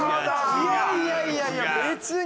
いやいやいやいや別に。